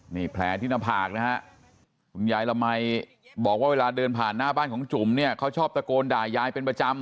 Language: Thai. นี่แผลที่หน้าผากนะฮะคุณยายละมัยบอกว่าเวลาเดินผ่านหน้าบ้านของจุ๋มเนี่ยเขาชอบตะโกนด่ายายเป็นประจำ